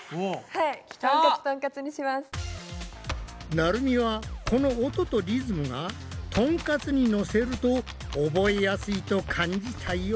なるみはこの音とリズムが「トンカツ」にのせると覚えやすいと感じたようだ！